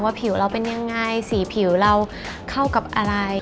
ผิวเราเป็นยังไงสีผิวเราเข้ากับอะไร